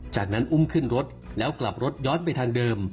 จากนั้นอุ้มขึ้นรถแล้วกลับรถย้อนไปทางเดิม